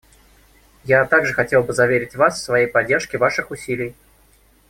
Я также хотела бы заверить Вас в своей поддержке Ваших усилий.